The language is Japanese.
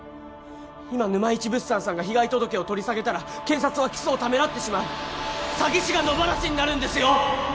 今ぬまいち物産さんが被害届を取り下げたら検察は起訴をためらってしまう詐欺師が野放しになるんですよ！